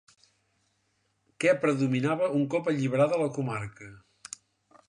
Què predominava un cop alliberada la comarca?